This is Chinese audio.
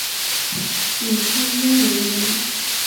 颍川鄢陵人。